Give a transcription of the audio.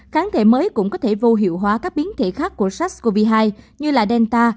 kháng thể mới cũng có thể vô hiệu hóa các biến thể khác của sars cov hai như là delta